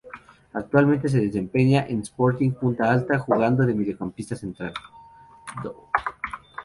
Actualmente se desempeña en Sporting Punta Alta, jugando de mediocampista central.